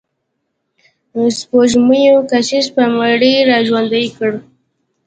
د سپوږمیو کشش به مړي را ژوندي کړي.